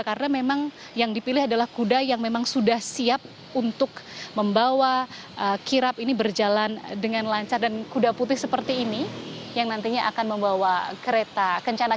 karena memang yang dipilih adalah kuda yang memang sudah siap untuk membawa kirap ini berjalan dengan lancar dan kuda putih seperti ini yang nantinya akan membawa kereta kencana